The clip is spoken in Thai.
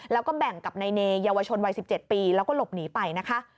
แล้วก็แบ่งกับนายเนยเยาวชนวัย๑๗ปีแล้วก็หลบหนีไปนะคะ